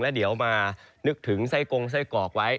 แล้วเดี๋ยวมานึกถึงไส้กงไส้กรอกไว้